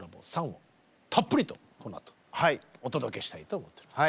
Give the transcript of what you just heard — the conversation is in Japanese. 「ＳＵＮ」をたっぷりとこのあとお届けしたいと思っております。